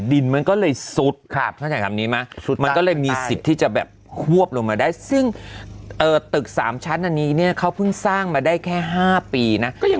ดินมันก็เลยซุดเข้าใจคำนี้ไหมมันก็เลยมีสิทธิ์ที่จะแบบควบลงมาได้ซึ่งตึก๓ชั้นอันนี้เนี่ยเขาเพิ่งสร้างมาได้แค่๕ปีนะ